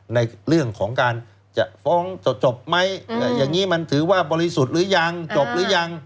ในเรื่องของการจะฟ้องจบไหมอย่างนี้มันถือว่าบริสุทธิ์หรือยังจบหรือยัง